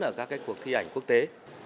ở các cái cuộc thi ảnh quốc tế